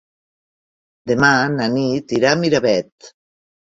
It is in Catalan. Demà na Nit irà a Miravet.